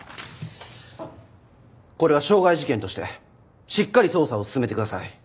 これは傷害事件としてしっかり捜査を進めてください。